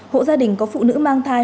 hộ gia đình có phụ nữ mang thai